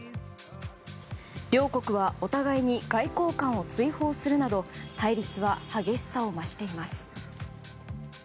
両国は、お互いに外交官を追放するなど対立は激しさを増しています。